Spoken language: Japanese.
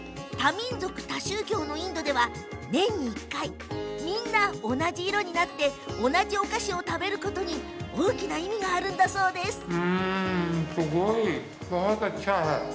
多民族多宗教のインドでは年に１回、みんな同じ色になり同じお菓子を食べることに大きな意味があるんだそうです。